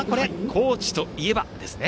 高知といえばですね。